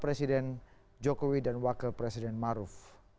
presiden jokowi dan wakil presiden maruf